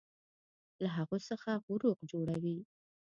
له هغو څخه غروق جوړوي